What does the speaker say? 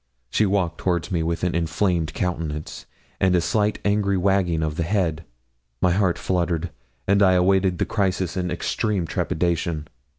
She walked towards me with an inflamed countenance, and a slight angry wagging of the head; my heart fluttered, and I awaited the crisis in extreme trepidation.